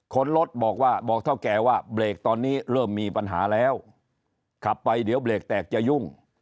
คนรถบอกว่าบอกเท่าแก่ว่าเบรกตอนนี้เริ่มมีปัญหาแล้วขับไปเดี๋ยวเบรกแตกจะยุ่ง